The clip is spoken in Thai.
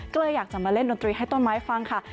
ก็เลยอยากจะมาเล่นดนตรีให้ต้นไม้ฟังค่ะ